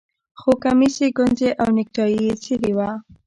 خو کمیس یې ګونځې او نیکټايي یې څیرې وه